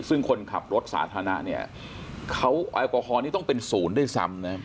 ซึ่งคนขับรถสาธารณะไอเอกลักษณ์นี้ต้องเป็น๐ด้วยซ้ำ